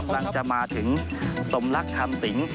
กำลังจะมาถึงสมรักคำสิง